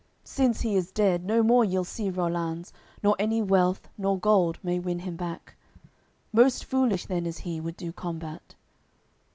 Since he is dead, no more ye'll see Rollanz, Nor any wealth nor gold may win him back. Most foolish then is he, would do combat."